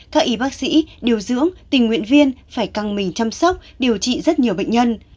các y bác sĩ điều dưỡng tình nguyện viên phải căng mình chăm sóc điều trị rất nhiều bệnh nhân